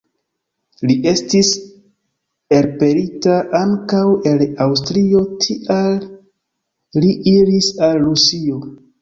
Li estis elpelita ankaŭ el Aŭstrio, tial li iris al Rusio.